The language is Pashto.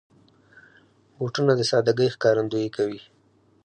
بوټونه د سادګۍ ښکارندويي کوي.